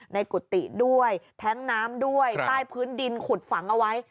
กุฏิด้วยแท้งน้ำด้วยใต้พื้นดินขุดฝังเอาไว้